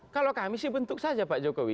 kalau kami sih bentuk saja pak jokowi